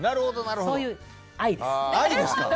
そういう愛です。